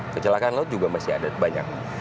kecelakaan laut juga masih ada banyak